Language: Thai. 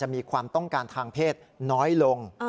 มีประเภทน้อยลง